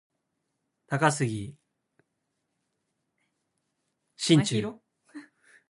高杉真宙